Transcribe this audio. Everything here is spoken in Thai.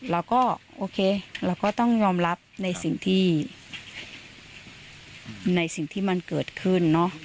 แล้วก็ต้องยอมรับในสิ่งที่มันเกิดขึ้น